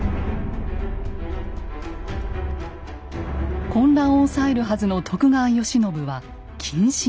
混乱を抑えるはずの徳川慶喜は謹慎中。